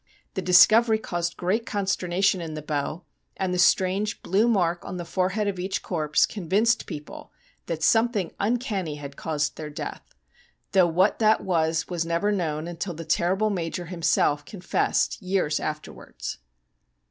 Tho discovery caused great consternation in the Bow, and the strange blue mark on the forehead of each corpse convinced people that something uncanny had caused their death, though what that was was never known until the terrible Major him self confessed years afterwards.